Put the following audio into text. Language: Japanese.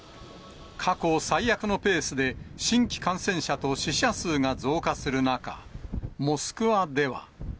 過去最悪のペースで、新規感染者と死者数が増加する中、モスクワでは。